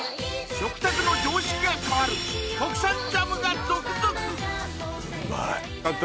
食卓の常識が変わる国産ジャムが続々私